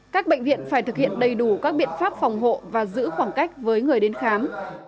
các bệnh viện phải thực hiện đầy đủ các biện pháp phòng hộ và giữ khoảng cách với người đến khám